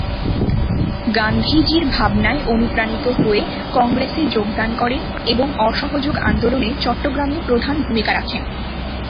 গান্ধীজির ভাবনায় অনুপ্রাণিত হয়ে কংগ্রেসে যোগদান করেন এবং অসহযোগ আন্দোলনে চট্টগ্রামে প্রধান ভূমিকা রাখেন।